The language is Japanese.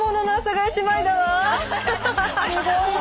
すごいわ。